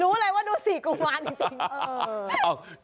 รู้เลยว่าดูสิกุมารจริง